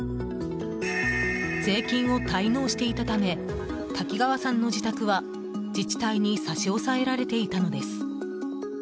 税金を滞納していたため滝川さんの自宅は自治体に差し押さえられていたのです。